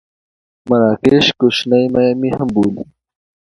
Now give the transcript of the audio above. مراکش کوشنۍ میامي هم بولي.